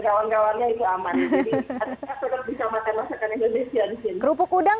jadi harusnya sebetulnya bisa masak masakan indonesia